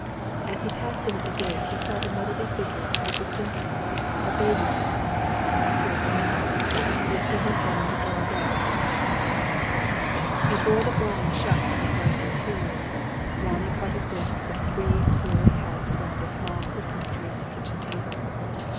As he passed in at the gate he saw the motherly figure of Mrs. Simpkins, a baby on her arm, appear at the window, lifting her hand to draw down the crimson blind. Before the blind shut in the bright interior, Ronnie caught a glimpse of three curly heads round a small Christmas tree on the kitchen table.